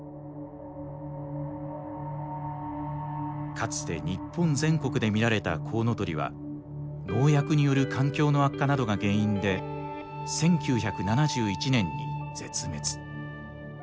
かつて日本全国で見られたコウノトリは農薬による環境の悪化などが原因で１９７１年に絶滅。